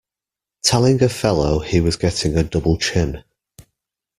Telling a fellow he was getting a double chin!